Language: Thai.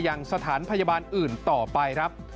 อย่างสถานพยาบาลอื่นต่อไปครับ